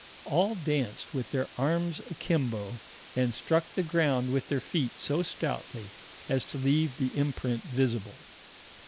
All danced, with their arms akimbo, and struck the ground with their feet so stoutly as to leave the imprint visible.